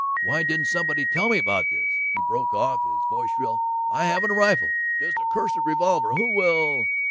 ... Why didn't somebody tell me about this?" he broke off, his voice shrill. "I haven't a rifle, just a cursed revolver. Who will